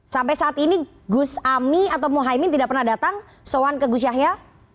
sampai saat ini gus ami atau mohaimin tidak pernah datang soan ke gus yahya